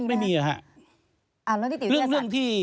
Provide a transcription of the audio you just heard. ไม่มี